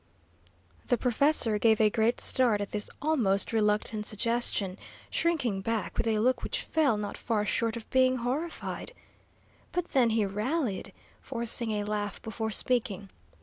The professor gave a great start at this almost reluctant suggestion, shrinking back with a look which fell not far short of being horrified. But then he rallied, forcing a laugh before speaking.